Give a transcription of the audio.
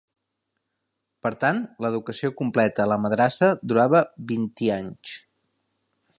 Per tant, l'educació completa a la madrassa durava vint-i-anys.